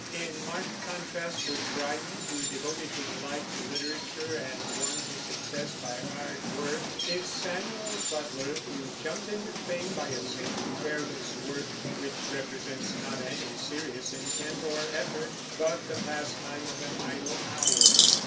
In marked contrast with Dryden, who devoted his life to literature and won his success by hard work, is Samuel Butler, who jumped into fame by a single, careless work, which represents not any serious intent or effort, but the pastime of an idle hour.